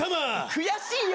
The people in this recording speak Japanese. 悔しいよ！